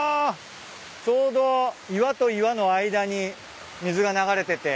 ちょうど岩と岩の間に水が流れてて。